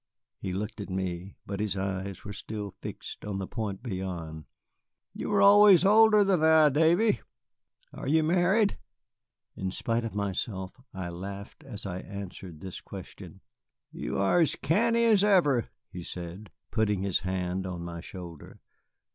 He looked at me, but his eyes were still fixed on the point beyond. "You were always older than I, Davy. Are you married?" In spite of myself, I laughed as I answered this question. "You are as canny as ever," he said, putting his hand on my shoulder.